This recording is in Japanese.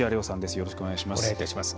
よろしくお願いします。